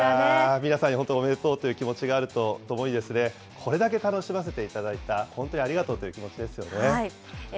皆さんに本当におめでとうという気持ちがあるのと、これだけ楽しませていただいた、本当にありがとうという気持ちですよね。